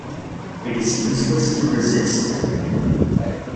It is useless to resist.